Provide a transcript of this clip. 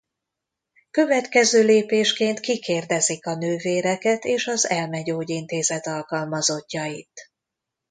Következő lépésként kikérdezik a nővéreket és az elmegyógyintézet alkalmazottjait.